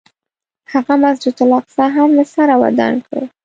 هغه مسجد الاقصی هم له سره ودان کړ.